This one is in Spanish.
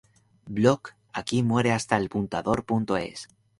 Blog aquimuerehastaelapuntador.es